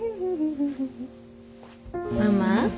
ママ。